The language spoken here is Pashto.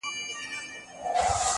شپه چي تياره سي ،رڼا خوره سي,